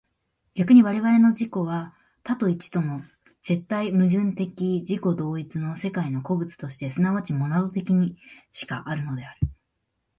逆に我々の自己は多と一との絶対矛盾的自己同一の世界の個物として即ちモナド的にしかあるのである。